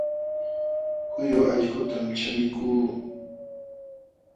Huyu allqutam chamikuu